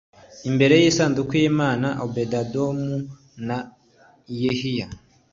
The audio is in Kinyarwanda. imbere y isanduku y imana obededomu na yehiya